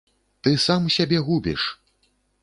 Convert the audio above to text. Ты сам сябе губіш!